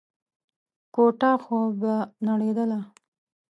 کوټه خو به نړېدله.